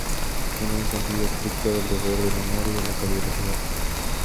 Tiene un sentido estricto del deber, del honor y de la caballerosidad.